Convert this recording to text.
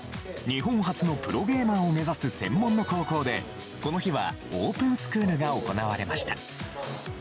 日本初のプロゲーマーを目指す専門の高校でこの日はオープンスクールが行われました。